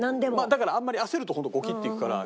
だからあんまり焦ると本当ゴキッていくから。